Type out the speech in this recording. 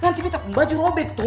nanti betta pembaju robek tuh